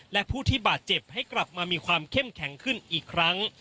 และผู้ที่บาดเจ็บให้กลับมามีความเข้มแข็งขึ้นอีกครั้ง